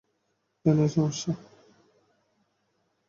কেন কী সমস্যা?